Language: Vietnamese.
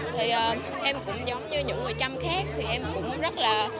thì em cũng giống như những người chăm khác thì em cũng rất là